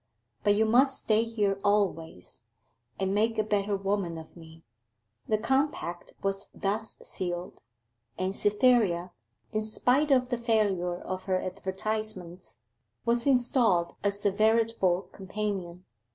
But you must stay here always, and make a better woman of me.' The compact was thus sealed, and Cytherea, in spite of the failure of her advertisements, was installed as a veritable Companion.